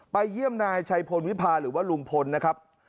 เยี่ยมนายชัยพลวิพาหรือว่าลุงพลนะครับ